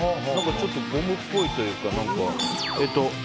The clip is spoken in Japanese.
ちょっとゴムっぽいというか。